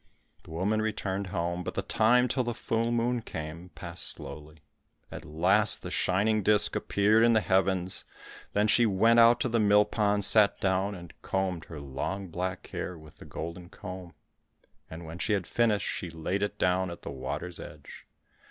The woman returned home, but the time till the full moon came, passed slowly. At last the shining disc appeared in the heavens, then she went out to the mill pond, sat down and combed her long black hair with the golden comb, and when she had finished, she laid it down at the water's edge.